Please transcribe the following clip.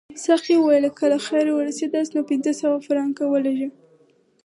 ساقي وویل که له خیره ورسیداست نو پنځه سوه فرانکه راولېږه.